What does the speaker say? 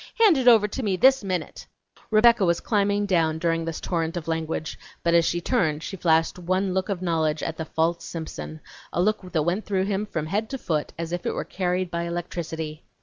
Hand it over to me this minute!" Rebecca was climbing down during this torrent of language, but as she turned she flashed one look of knowledge at the false Simpson, a look that went through him from head to foot, as if it were carried by electricity.